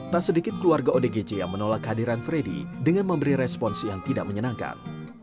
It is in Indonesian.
tak sedikit keluarga odgj yang menolak hadiran freddy dengan memberi respons yang tidak menyenangkan